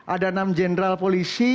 ada enam general polisi